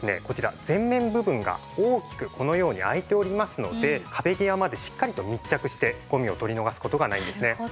こちら前面部分が大きくこのように開いておりますので壁際までしっかりと密着してゴミを取り逃す事がないんですね。